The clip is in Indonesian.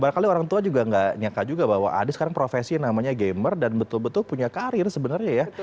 barangkali orang tua juga nggak nyangka juga bahwa ada sekarang profesi yang namanya gamer dan betul betul punya karir sebenarnya ya